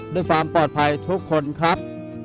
ด้วยความปลอดภัยทุกคนครับ